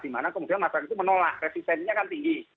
di mana kemudian masyarakat itu menolak resistennya kan tinggi